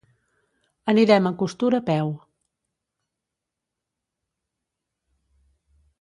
Anirem a Costur a peu.